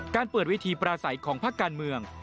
เปิดเวทีปราศัยของภาคการเมือง